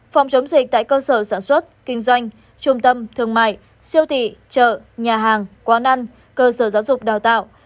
phòng chống dịch tại cơ sở sản xuất kinh doanh trung tâm thương mại siêu thị chợ nhà hàng quán ăn cơ sở giáo dục đào tạo